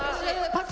パス！